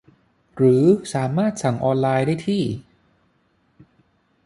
หรือสามารถสั่งออนไลน์ได้ที่